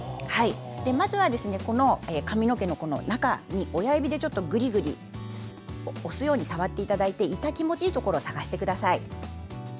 まず、髪の毛の中親指でぐりぐり押すように触っていただいて痛気持ちいいところを探してください。